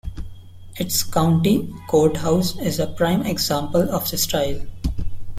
Its County Courthouse is a prime example of the style.